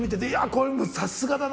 これさすがだな。